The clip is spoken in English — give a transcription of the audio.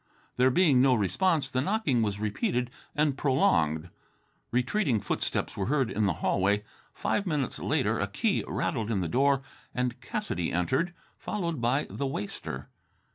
There being no response, the knocking was repeated and prolonged. Retreating footsteps were heard in the hallway. Five minutes later a key rattled in the door and Cassidy entered, followed by the waster.